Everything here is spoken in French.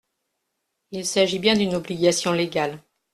Il s’agit bien d’une obligation légale.